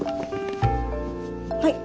はい。